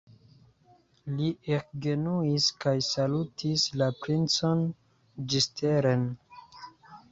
Li ekgenuis kaj salutis la princon ĝisteren.